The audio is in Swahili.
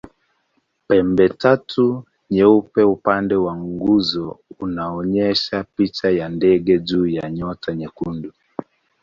Pembetatu nyeupe upande wa nguzo unaonyesha picha ya ndege juu ya nyota nyekundu.